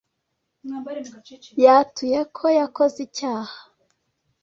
Yatuye ko yakoze icyaha.